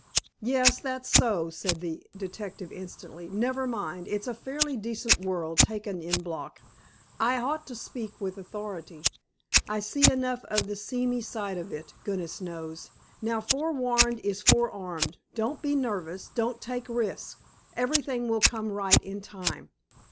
"Yes. That's so," said the detective instantly. "Never mind. It's a fairly decent world, taken en bloc. I ought to speak with authority. I see enough of the seamy side of it, goodness knows. Now, forewarned is forearmed. Don't be nervous. Don't take risks. Everything will come right in time.